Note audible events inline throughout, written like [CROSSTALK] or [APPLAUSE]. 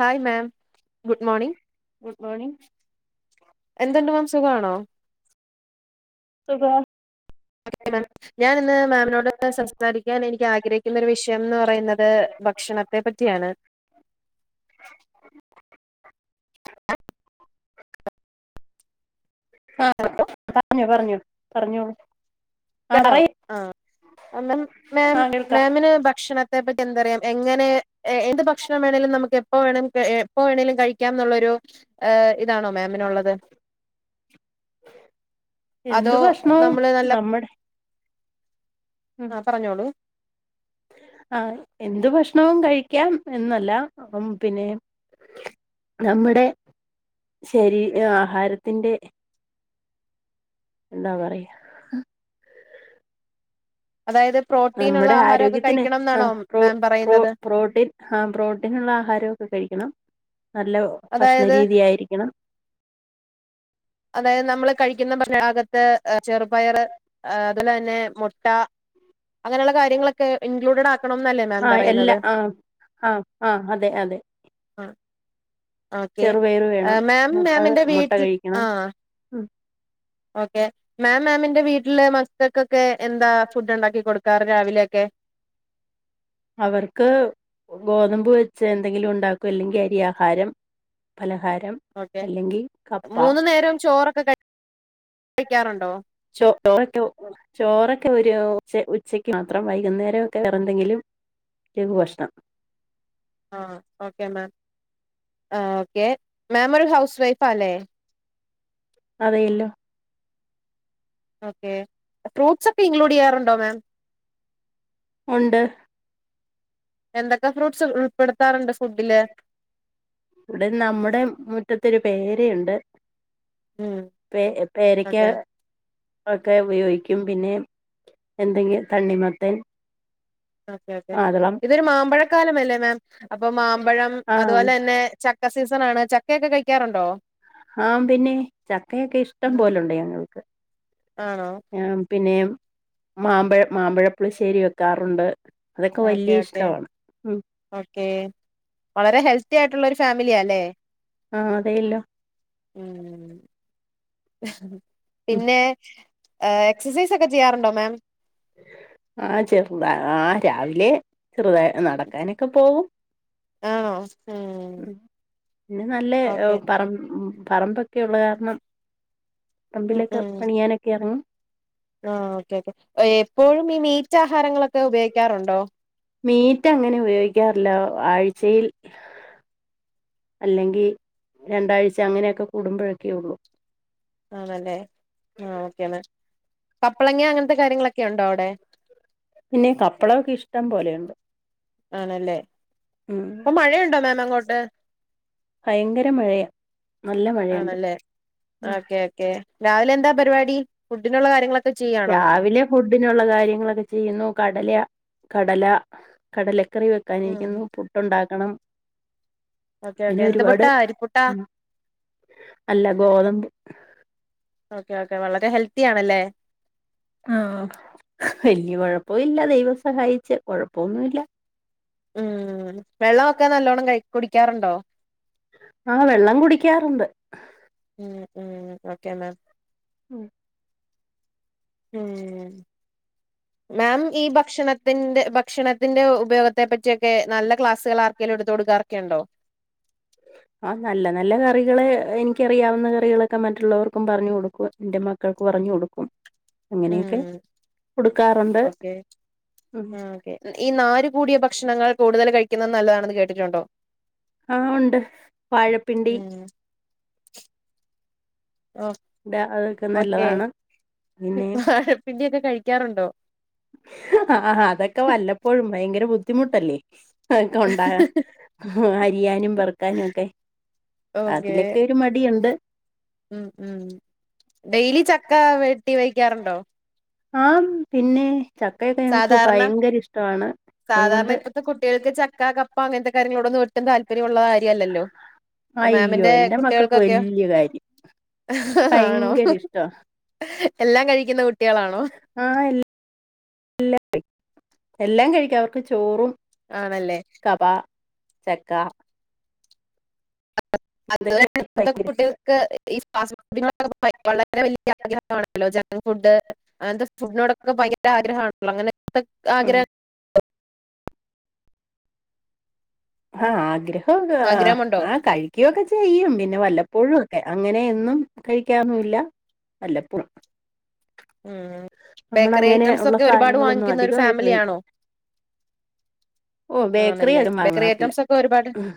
Hi ma'am good morning morning എന്ധ്ണ്ട് ma'am സുഖാണോ സുഖാ [INAUDIBLE] ഞാൻ ഇന്ന് മാമിനോട് സംസാരിക്കാൻ എനിക്ക് ആഗ്രഹിക്കുന്ന ഒരു വിഷയന്ന് പറയുന്നത് ഭക്ഷണത്തെ പറ്റി [UNINTELLIGIBLE] ആ ഹലോ പറഞ്ഞു പറഞ്ഞു പറഞ്ഞോളു ആ മാം ആ കേൾക്കാം മേംന് ഭക്ഷണത്തെ പറ്റി എന്താറയാ എങ്ങനെ എന്ത് ഭക്ഷണമേനെങ്കിലും നമുക്കെപ്പോ വേണങ്കിലും എപ്പോ വേണേലും കഴിക്കാം ന്നുള്ളൊരു ഇതാണോ മേം അതോ എന്ത് ഭക്ഷണവും നമ്മള് നല്ല നമ്മുടെ ഉം ആ പറഞ്ഞോളൂ ആ എന്ത് ഭക്ഷണവും കഴിക്കാം എന്നല്ല ഉം പിന്നെ നമ്മുടെ ശരീ ആഹാരത്തിന്റെ എന്താ പറയാ അതായത് പ്രോട്ടീൻ ഉള്ള നമ്മടെ ആഹാരമൊക്കെ ആരോഗ്യത്തിന് കഴിക്കണം ആ എന്നാണോ പ്രൊ മാം പ്രൊ പറയുന്നത് പ്രോട്ടീൻ ആ പ്രോട്ടീന്ള്ള ആഹാരൊ കഴിക്കണം നല്ല അതായത് ഭക്ഷണരീതിയായിരിക്കണം അതായത് നമ്മള് കഴിക്ക്ന്ന ഭാഗത്ത് ചെറുപയർ അതിലെന്നെ മുട്ട അങ്ങനെയുള്ള കാര്യങ്ങളൊക്കെ ഇൻക്ലൂഡഡ് ആക്കണന്നല്ലേ മാം പറയുന്നത് ആ ആഹ അതെ അതെ ആ ഓക്കെ ചെറുപയറ് വേണം മാം മുട്ട മാമിന്റെ മുട്ട വീട്ടിൽ ആ, കഴിക്കണം ഉം ഓക്കെ, മാം, മാമിന്റെ, വീട്ടില്, മക്കൾക്കൊക്കെ എന്താ, ഫുഡ് ണ്ടാക്കി, കൊടുക്കാറ്, രാവിലെയക്കെ അവർക്ക് ഗോതമ്പ്, വെച്ച്, എന്തെങ്കിലും, ഉണ്ടാക്കും, അല്ലെങ്കി, അരിയാഹാരം, പല ആഹാരം, ഓക്കെ അല്ലെങ്കി, കപ്പ മൂന്നു നേരവും ചോറൊക്കെ കഴിക്കാറുണ്ടോ ചോ, ചോറൊക്കെ, ചോറൊക്കെ, വക്കുയോ ഉ, ഉച്ചക്ക്, മാത്രം, വൈകുന്നേരക്കെ, വേറെന്തെങ്കിലും, രഘുഭക്ഷണം. ആ, ഓക്കെ മാം ആഓക്കെ, മാമ്, ഒരു, ഹൗസ്, വൈഫാല്ലേ. അതയല്ലോ. ഓക്കെ, ഫ്രൂട്ട്സ് ഒക്കെ ഇൻക്ലൂഡ് യ്യാറുണ്ടോ മാം. ഉണ്ട്. എന്തൊക്കെ ഫ്രൂട്ട്സ്, ഉള്പ്പടുത്താറുണ്ട്, ഫുഡില്. ഇവിടെ, നമ്മുടെ, മുറ്റത്തരു, പേരയുണ്ട്. ഉം പേ, പേരക്ക, ഓക്കെ ഒക്കെ, ഉപയോഗിക്കു ക്കും, പിന്നെ, എന്തെങ്കും, തണ്ണിമത്തൻ ഓക്കെ, ഓക്കെ, മാതളം ഇതൊരു, മാമ്പഴക്കാലമല്ലേ, മാം, അപ്പൊ, മാമ്പഴം, ആഹ് അതുപോലെ, തന്നെ, ചക്ക, സ ണാണ്, ചക്കയൊക്കെ, കഴിക്കാറുണ്ടോ ആഹ, പിന്നെ, ചക്കയൊക്കെ, ഇഷ്ടം, ഉം. പോലുണ്ട്, ഞങ്ങക്ക്. ആണോ ആ, പിന്നെ, മാമ്പഴ, മാമ്പഴപ്പുളിശ്ശേരി, വെക്കാറുണ്ട്. അതൊക്കെ ഓക്കെ, വലിയ ഓക്കെ, ഇഷ്ടമാണ് ഉം ഓക്കെ, വളരെ, ഹെൽത്തിയായിട്ടുള്ള, ഒരു, ഫാ മില്ല്യാല്ലേ. ആ, അതേല്ലോ ഉം, ഹ്, ഉം പിന്നെ എ, എക്സസൈസ്, ഒക്കെ, ചെയ്യാറുണ്ടോ, മാം. ആ, ചെറുത, ആ, രാവിലെ, ചെറുത, നടക്കാനൊക്കെ പോവും. ആണോ ഉം പിന്നെ, നല്ല, എ, ഓക്കെ പറ പറമ്പൊക്കെ, ഉള്ള കാരണം, ഉം പറമ്പിലൊക്കെ, ഉം പണിയാനൊക്കെ, എറങ്ങും. ആ, ഓക്കെ, ഓക്കെ, എപ്പോഴും, ഈ, മീറ്റാഹാരങ്ങളൊക്കെ, ഉപയോഗിക്കാറുണ്ടോ. മീറ്റ്, അങ്ങനെ, ഉപയോഗിക്കാറില്ല, ആഴ്ചയിൽ അല്ലെങ്കി, രണ്ടാഴ്, ച അങ്ങനെക്കെ, കൂടുമ്പോഴൊക്കെള്ളു ആണല്ലേ, ആ, ഓക്കെ, മാ, കപ്പളങ്ങ, അങ്ങനത്തെ, കാര്യങ്ങളൊക് ഒക്കുണ്ടോ അവിടെ. പിന്നെകപ്പളൊക്ക ഇഷ്ടം പോലെയുണ്ട്. ആണല്ലേ, ഉം അപ്പൊ, മഴയുണ്ട, മാം, അങ്ങോട്ട്. ഭയങ്കര, മഴയാ. നല്ല മഴയുണ്ട് ആണല്ലേ, ഉം ഓക്കെ, ഓക്കേ, രാവിലെ, എന്താ, പരിപാടി, ഫു രാവിലെ, ഫുഡിനുള്ള, കാര്യങ്ങളൊക്കെ, ചെയ്യുന്നു, കടലയ കടല, കടലക്കറി, ഉം വെക്കാനിരിക്കുന്നു, പുട്ടുണ്ടാക്കണം. ഓക്കെ ഓക്കെ പിന്നെ, എന്ത് ഒരുപാട്, പുട്ടാ അരിപ്പുട്ടാ അല്ല, ഗോതമ്പ് ഓക്കേ, ഓക്കേ, വളരെ, ഹെൽത്തി, ആണല്ലേ. ആഹ, വല്യ, കൊഴപ്പ, ഇല്ല, ദൈവം, സഹായിച്ച്, കൊഴപ്പൊന്നുല്ല. ഉം, വെള്ളമൊക്കെ, നല്ലോണ്ണം, ക, കുടിക്കാറുണ്ടോ. ആ, വെള്ളം, കുടിക്കാറുണ്ട്. ഉം, ഉം, ഓക്കെ, മാം. ഉം, ഉം, മാം, ഈ, ഭക്ഷണത്തിന്റെ, ഭക്ഷണത്തിന്റെ, ഉപയോഗത്തെ, പറ്റിയൊക്കെ, നല്ല, ക്ലാസ്സുകളാർ ലടതോടുകാറൊക്കെ, ഉണ്ടോ. ആ, നല്ല, നല്ല, കറികള്, എനിക്കറിയാവുന്ന, കറികളൊക്കെ, മറ്റുള്ളവർക്കും, പറഞ്ഞു, കൊടുക്കും, എന്റെ, മക്കൾക്ക്, പറഞ്ഞ ഞ്ഞൊടുക്കും. ഉം ഓക്കെ ഉം ആഹ് ഓക്കെ ഈ നാര് കൂടിയ ഭക്ഷണങ്ങൾ കൂടുതൽ കഴിക്കുന്നത് നല്ലതാണെന്ന് കേട്ടിട്ടുണ്ടോ? ആഹ് ഒണ്ട് വാഴപ്പിണ്ടി ഉം ഓഹ അതൊക്കെ ഓക്കെ നല്ലതാണ് പിന്നെ വാഴപ്പിണ്ടി ഒക്കെ കഴിക്കാറുണ്ടോ? ആഹാ അതൊക്കെ വല്ലപ്പോഴും ഭയങ്കര ബുദ്ധിമുട്ടല്ലേ അതൊക്കെ ഒണ്ടാകാം അരിയാനും പെറുക്കാനുവൊക്കെ ഓക്കെ അതിലൊക്കെ ഒരു മടിയൊണ്ട് ഉം ഉം ഡെയിലി ചക്ക വെട്ടി വെയ്ക്കാറുണ്ടോ ആം പിന്നെ ചക്കയൊക്കെ ഞങ്ങ്ക്ക് സാധാരണ ഭയങ്കര ഇഷ്ടവാണ് സാധാരണ അതുകൊണ്ട് ഇപ്പത്തെ കുട്ടികൾക്ക് ചക്ക കപ്പ അങ്ങനത്തെ കാര്യങ്ങളോടൊന്നും ഒട്ടും താൽ- പര്യൊള്ള കാര്യല്ലല്ലോ അപ്പൊ അയ്യോ മാമിന്റെ എന്റെ മക്കൾക്ക് കുട്ടികൾക്കൊക്കെയൊ വല്യ കാര്യം ആണോ ഭയങ്കര ഇഷ്ടാ എല്ലാം കഴിക്കുന്ന കുട്ടികളാണോ? ആഹ് എ എല്ലാം കഴിക്കാം അവർക്ക് ചോറും ആണല്ലേ കബ ചക്ക [INAUDIBLE] ഇതൊക്കെ അതുവല്ല ഇപ്പത്തെ ഭയങ്കര കുട്ടികക്ക് ഈ ഫാസ്ഫുഡിനോടൊക്കെ വളരെ വലിയ ആഗ്രഹണല്ലോ ജഗ് ഫുഡ് അങ്ങനത്തെ ഫുഡിനോടൊക്കെ ഭയങ്കര ആഗ്രഹാണല്ലോ അങ്ങനെ എന്തൊക്കെ ആഗ്രഹം ആഹ് ആഗ്രഹം ആഗ്രഹമുണ്ടോ ആ കഴിക്കുവൊക്കെ ചെയ്യും പിന്നെ വല്ലപ്പോഴും അങ്ങനെയെന്നും കഴിക്കാറൊന്നൂല്ല വല്ലപ്പഴും ഉം ബേക്കറി ഐറ്റംസ് ഉള്ള ഒക്കെ ഒരുപാട് സാധനങ്ങളൊന്നും വാങ്ങിക്കുന്ന ഒരു അധികമായി ഉപയോഗിക്കും ഫാമിലിയാണോ ഓ ബേക്കറി ആണല്ലേ അതും ബേക്കറി വാങ്ങാറില്ല ഐറ്റംസ് ഒക്കെ ഒരുപാട് ഉം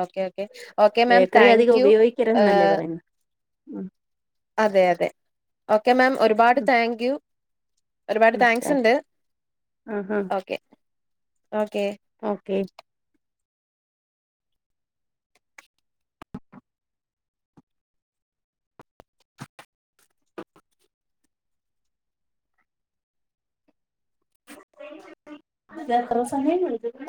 okay okay okay ma'am bakery thank അധികം യു ഉപയോഗിക്കരുതന്നല്ലേ പറയുന്നെ ഉം അതെ അതെ ഓക്കെ മാം ഒരുപാട് ഉം താങ്ക് യു ഒരുപാട് ഉം താ താങ്ക്സ്ണ്ട് ആഹാ ഓക്കെ ഓക്കെ ഓക്കെ എത്രസമയം വിളിക്കൂത്